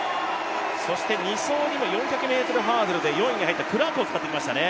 ２走にも４００ｍハードルで４位に入ったクラークを使ってきましたね。